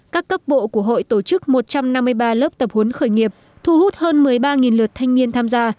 các cấp bộ của hội tổ chức một trăm năm mươi ba lớp tập huấn khởi nghiệp thu hút hơn một mươi ba lượt thanh niên tham gia